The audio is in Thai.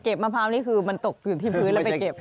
มะพร้าวนี่คือมันตกอยู่ที่พื้นแล้วไปเก็บ